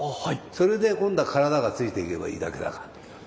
それで今度は体がついていけばいいだけだから。